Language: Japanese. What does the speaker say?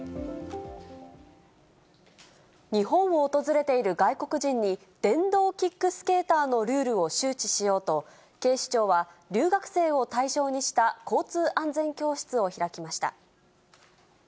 日本を訪れている外国人に、電動キックスケーターのルールを周知しようと、警視庁は、留学生を対象にした交通安全教室を開きました。